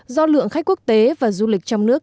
do lượng khách quốc tế và du lịch trong nước